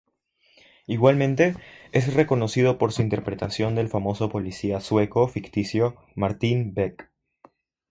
Igualmente, es reconocido por su interpretación del famoso policía sueco ficticio Martín Beck.